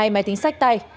hai máy tính sách tay